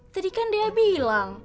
tadi kan dia bilang